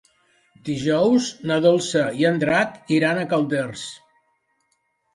Dijous na Dolça i en Drac iran a Calders.